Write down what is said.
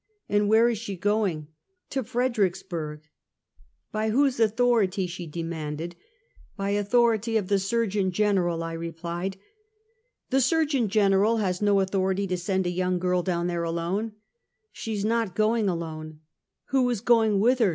" And where is she going? " "To Fredericksburg." "By whose authority?" she demanded. " By authority of the Surgeon General," I replied. " The Surgeon General has no authority to send a young girl down there alone." " She is not going alone." " Who is going with her?"